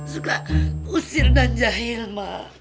suka usir dan jahil ma